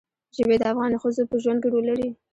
ژبې د افغان ښځو په ژوند کې رول لري.